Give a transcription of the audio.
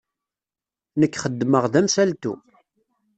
Nekk xeddmeɣ d amsaltu.